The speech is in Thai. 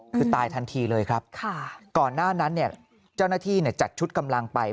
คือตายทันทีเลยครับก่อนหน้านั้นเนี่ยเจ้าหน้าที่จัดชุดกำลังไป